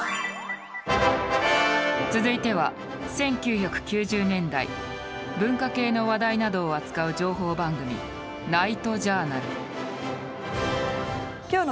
続いては１９９０年代文化系の話題などを扱う情報番組「ナイトジャーナル」。